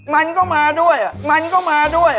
มันก็มาด้วยอ่ะมันก็มาด้วยอ่ะ